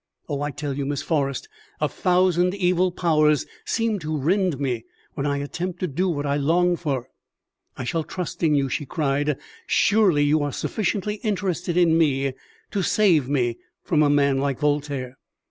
Oh, I tell you, Miss Forrest, a thousand evil powers seem to rend me when I attempt to do what I long for." "I shall trust in you," she cried. "Surely you are sufficiently interested in me to save me from a man like Voltaire?"